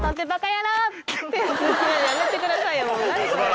やめてくださいよ